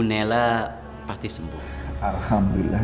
nanti mau gayanya